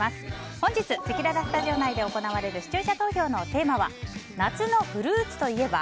本日せきららスタジオ内で行われる視聴者投票のテーマは夏のフルーツといえば？